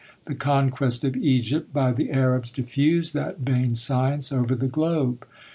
The conquest of Egypt by the Arabs diffused that vain science over the globe.